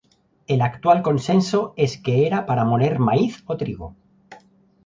El actual consenso es que era para moler maíz o trigo.